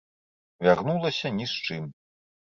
Вярнулася ні з чым.